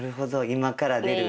今から出る。